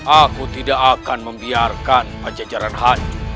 aku tidak akan membiarkan pajajaran hani